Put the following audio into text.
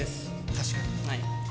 確かに。